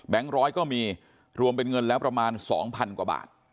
ร้อยก็มีรวมเป็นเงินแล้วประมาณ๒๐๐๐กว่าบาท